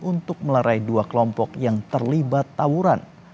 untuk melerai dua kelompok yang terlibat tawuran